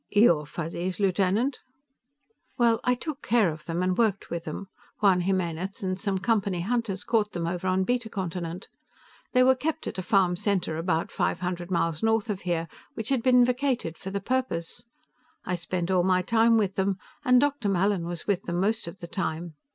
"Your Fuzzies, Lieutenant?" "Well, I took care of them and worked with them; Juan Jimenez and some Company hunters caught them over on Beta Continent. They were kept at a farm center about five hundred miles north of here, which had been vacated for the purpose. I spent all my time with them, and Dr. Mallin was with them most of the time.